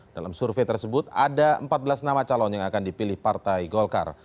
dalam survei tersebut ada empat belas nama calon yang akan dipilih partai golkar